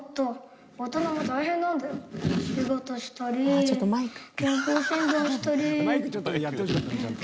ああちょっとマイク。